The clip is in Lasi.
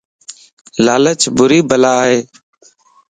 لالچ ڀري بلا ائي